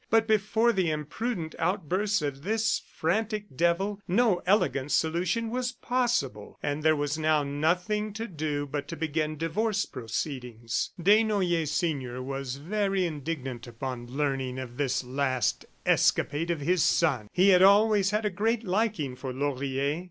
But before the imprudent outbursts of this frantic devil no elegant solution was possible, and there was now nothing to do but to begin divorce proceedings. Desnoyers, senior, was very indignant upon learning of this last escapade of his son. He had always had a great liking for Laurier.